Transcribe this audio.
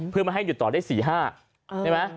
เพื่อไม่ให้หยุดต่อได้๔๕ใช่ไหม